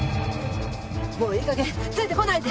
もういい加減ついて来ないで！